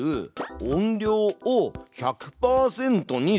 「音量を１００％にする」。